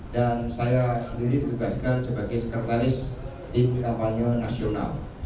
dan saya sendiri diugaskan sebagai sekretaris tim kampanye nasional